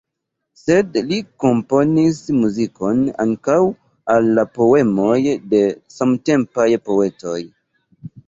Sed li komponis muzikon ankaŭ al la poemoj de samtempaj poetoj.